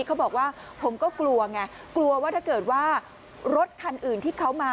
เขาบอกว่าผมก็กลัวไงกลัวว่าถ้าเกิดว่ารถคันอื่นที่เขามา